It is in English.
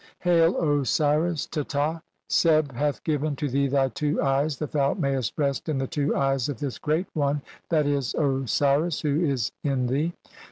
"Hail, Osiris Teta, Seb hath given to thee thy two "eyes that thou mayest rest in the two eyes of this "Great One (/. i\, Osiris) who is in thee.